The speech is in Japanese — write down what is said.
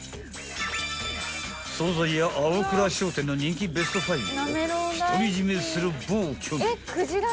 ［総菜屋青倉商店の人気ベスト５を独り占めする暴挙に］